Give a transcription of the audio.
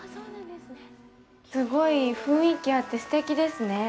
すごい雰囲気があって、すてきですね。